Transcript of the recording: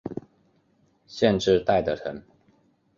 县治戴德城。